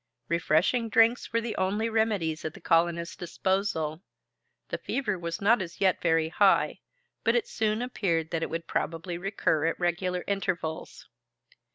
Refreshing drinks were the only remedies at the colonists' disposal. The fever was not as yet very high, but it soon appeared that it would probably recur at regular intervals.